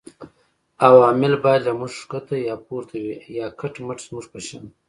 عوامل باید له موږ ښکته یا پورته وي یا کټ مټ زموږ په شان